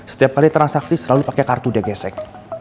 setiap hari transaksi selalu pakai kartu dia gesek